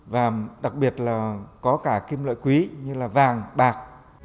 và đặc biệt là có cả kim loại quý như là vàng bạc